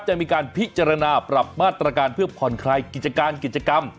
จะมีการพิจารณาปรับมาตรการเพื่อผ่อนคลายกิจการกิจกรรม